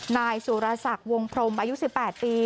นายสุรศักดิ์วงพรมอายุ๑๘ปี